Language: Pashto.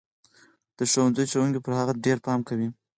د ښوونځي ښوونکي به پر هغه ډېر پام کوي.